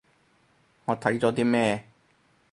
我睇咗啲咩